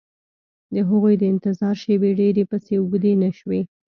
د هغوی د انتظار شېبې ډېرې پسې اوږدې نه شوې